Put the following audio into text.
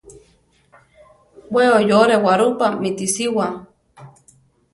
We oyore Guarupa mitisiwa.